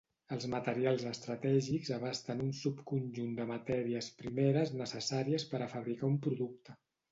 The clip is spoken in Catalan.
Els materials estratègics abasten un subconjunt de matèries primeres necessàries per a fabricar un producte.